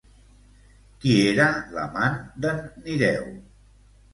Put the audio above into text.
Qui era l'amant d'en Nireu?